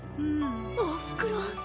おふくろ。